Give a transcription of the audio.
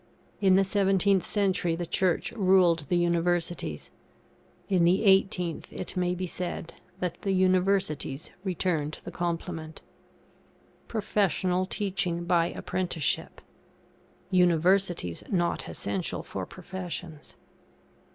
In the 17th century the Church ruled the Universities; in the 18th, it may be said, that the Universities returned the compliment. [PROFESSIONAL TEACHING BY APPRENTICESHIP] UNIVERSITIES NOT ESSENTIAL FOR PROFESSIONS.